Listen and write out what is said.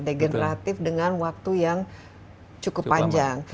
degeneratif dengan waktu yang cukup panjang